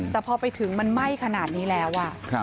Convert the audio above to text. แต่พอไปถึงมันไหม้ขนาดนี้แล้ว